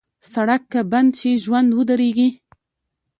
سړک که بند شي، ژوند ودریږي.